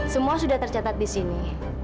semua sudah tercatat di sini